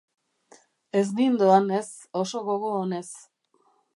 Ez nindoan, ez, oso gogo onez.